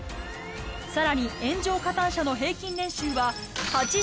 さらに炎上加担者の平均年収は。